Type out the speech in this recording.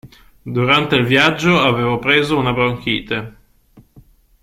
Durante il viaggio avevo preso una bronchite.